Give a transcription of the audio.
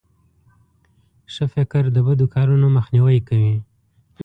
ښه فکر د بدو کارونو مخنیوی کوي.